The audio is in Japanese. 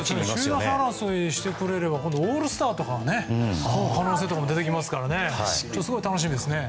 首位打者争いしてくれればオールスターとかも可能性とかも出てきますから楽しみですね。